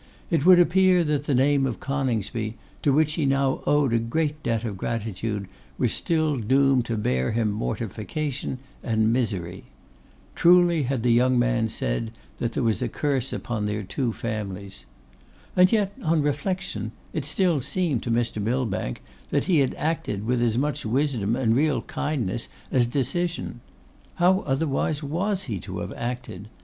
It would appear that the name of Coningsby, to which he now owed a great debt of gratitude, was still doomed to bear him mortification and misery. Truly had the young man said that there was a curse upon their two families. And yet, on reflection, it still seemed to Mr. Millbank that he had acted with as much wisdom and real kindness as decision. How otherwise was he to have acted?